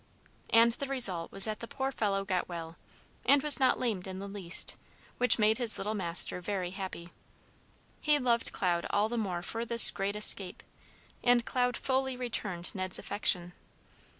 And the result was that the poor fellow got well, and was not lamed in the least, which made his little master very happy. He loved Cloud all the more for this great escape, and Cloud fully returned Ned's affection.